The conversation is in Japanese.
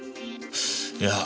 いや。